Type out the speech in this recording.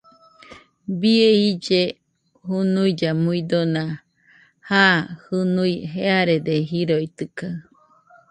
Bie ille junuilla muidona, ja jɨnui jearede jiroitɨkaɨ